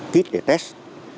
kit để test